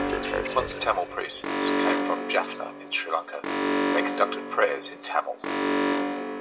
Once Tamil priests came from Jaffna in Sri Lanka, they conducted prayers in Tamil.